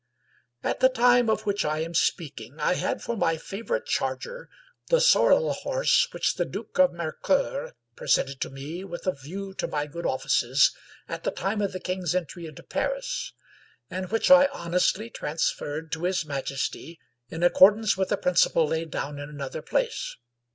At the time of which I am speaking I had for my favorite charger the sorrel horse which the Duke of Mercceur pre sented to me with a view to my good offices at the time of the king's entry into Paris; and which I honestly trans ferred to his majesty in accordance with a principle laid down in another place.